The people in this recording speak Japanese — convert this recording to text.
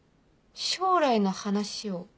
将来の話を？